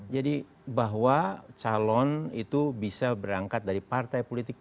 jadi bahwa calon itu bisa berangkat dari partai politik